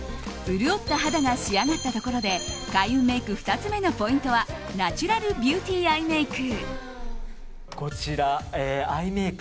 潤った肌が仕上がったところで開運メイク２つ目のポイントはナチュラルビューティーアイメイク。